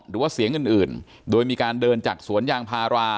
หรือว่าเสียงอื่นโดยมีการเดินจากสวนยางพารา